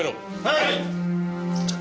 はい！